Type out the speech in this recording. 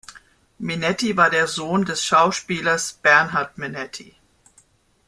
Minetti war der Sohn des Schauspielers Bernhard Minetti.